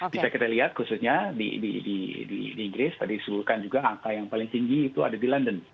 bisa kita lihat khususnya di inggris tadi disebutkan juga angka yang paling tinggi itu ada di london